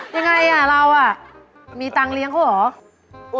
ยังไงเรามีตังค์เลี้ยงเขาเหรอ